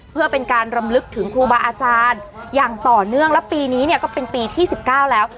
เพื่อเป็นการรำลึกถึงครูบาอาจารย์อย่างต่อเนื่องแล้วปีนี้เนี่ยก็เป็นปีที่๑๙แล้ว